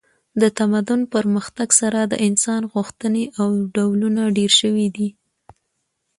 د تمدن پرمختګ سره د انسان غوښتنې او ډولونه ډیر شوي دي